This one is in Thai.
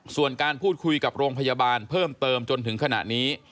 ส่วนการพูดคุยกับโรงพยาบาลเพิ่มเติมจนถึงขณะนี้